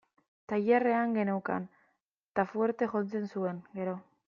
Tailerrean geneukan, eta fuerte jotzen zuen, gero.